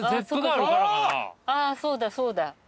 あそうだそうだ。